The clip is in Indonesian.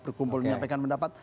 berkumpul menyampaikan pendapat